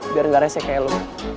biar gak rese kayak lu